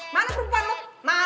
mana perempuan lo